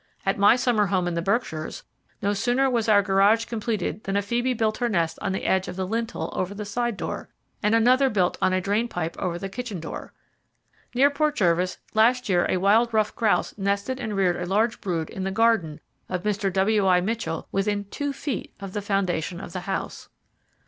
At my summer home in the Berkshires, no sooner was our garage completed than a phoebe built her nest on the edge of the lintel over the side door; and another built on a drain pipe over the kitchen door. Near Port Jervis, last year a wild ruffed grouse nested and reared a large brood in the garden of Mr. W.I. Mitchell, within two feet of the foundation of the house.